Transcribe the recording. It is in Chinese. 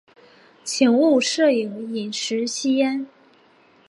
请勿摄影、饮食、吸烟